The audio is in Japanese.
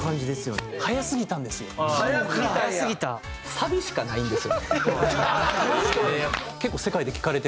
サビしかないんですよね。